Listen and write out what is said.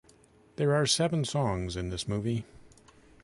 There are seven songs in this movie.